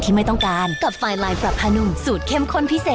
คุณต้องจ่ายค่าบ้านค่านำค่าไฟนี่หว่ะ